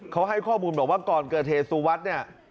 เขาให้ข้อมูลบอกว่าก่อนเกิดเหตุสุวัสดิ์เนี่ย